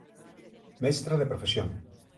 Mestra de profesión.